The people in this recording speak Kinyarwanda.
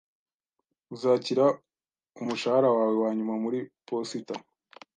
Uzakira umushahara wawe wanyuma muri posita